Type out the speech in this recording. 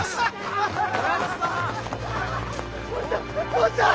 坊ちゃん！